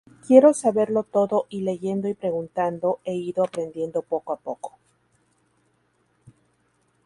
Quiero saberlo todo y leyendo y preguntando he ido aprendiendo poco a poco.